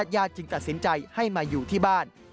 จึงตัดสินใจให้มาอยู่ที่บ้าน